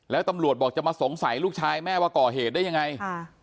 แล้วตำรวจบอกจะมาสงสัยลูกชายแม่ว่าก่อเหตุได้ยังไง